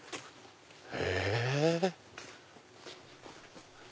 へぇ。